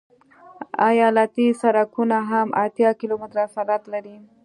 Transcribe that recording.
ایالتي سرکونه هم اتیا کیلومتره سرعت لري